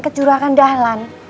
ke juragan dahlan